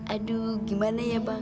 aduh gimana ya bang